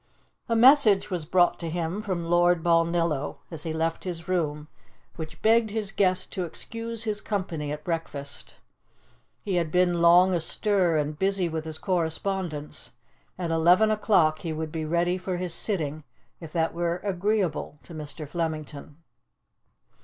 A message was brought to him from Lord Balnillo as he left his room, which begged his guest to excuse his company at breakfast. He had been long astir, and busy with his correspondence; at eleven o'clock he would be ready for his sitting, if that were agreeable to Mr. Flemington.